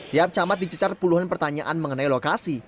tiap camat dicecar puluhan pertanyaan mengenai lokasi